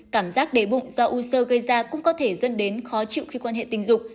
cảm giác đề bụng do u sơ gây ra cũng có thể dẫn đến khó chịu khi quan hệ tình dục